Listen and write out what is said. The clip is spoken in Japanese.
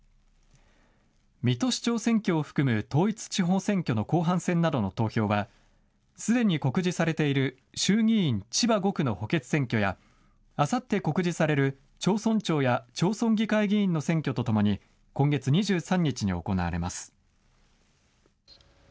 水戸市長選挙を含む統一地方選挙の後半戦などの投票はすでに告示されている衆議院千葉５区の補欠選挙やあさって告示される町村長や町村議会議員の選挙とともに今月２３日に行われます。